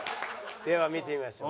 では見てみましょう。